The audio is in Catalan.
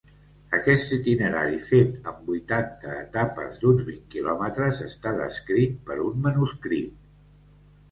Aquest itinerari, fet en vuitanta etapes d'uns vint quilòmetres, està descrit per un manuscrit.